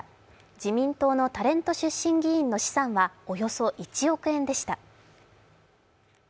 自民党のタレント出身議員の資産はおよそ１億円でした。